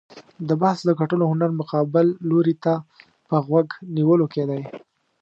د بحث د ګټلو هنر مقابل لوري ته په غوږ نیولو کې دی.